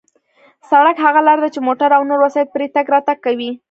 سړک هغه لار ده چې موټر او نور وسایط پرې تگ راتگ کوي.